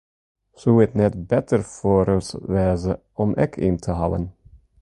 Soe it net better foar ús wêze om ek ien te hawwen?